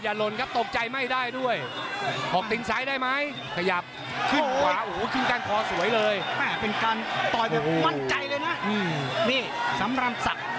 อันตรายมันก็น่านะ